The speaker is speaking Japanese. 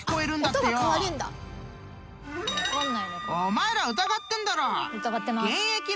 ［お前ら疑ってんだろ？］